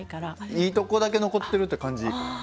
いいとこだけ残ってるって感じ。